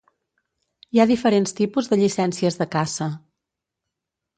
Hi ha diferents tipus de llicències de caça.